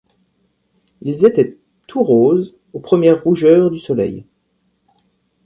Ils étaient tout roses, aux premières rougeurs du soleil.